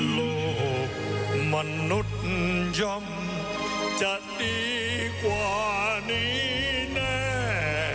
ลูกมนุษย์ย่อมจะดีกว่านี้แน่